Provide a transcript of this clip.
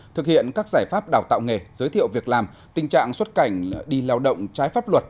thực hiện các giải pháp đào tạo nghề giới thiệu việc làm tình trạng xuất cảnh đi lao động trái pháp luật